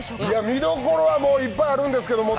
見どころはいっぱいあるんですけど。